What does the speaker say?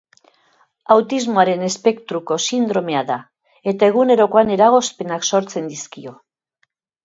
Autismoaren espektruko sindromea da eta egunerokoan eragozpenak sortzen dizkio.